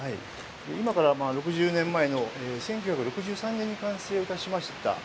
今から６０年前の１９６３年に完成いたしました。